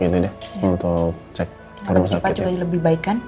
ya lebih cepat juga lebih baik kan